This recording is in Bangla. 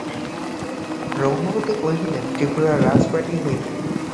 রঘুপতি কহিলেন, ত্রিপুরার রাজবাটী হইতে।